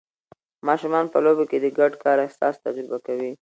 ماشومان په لوبو کې د ګډ کار احساس تجربه کوي.